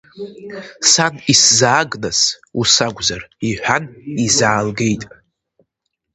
Сан, исзааг, нас ус акәзар, — иҳәан, изаалгеит.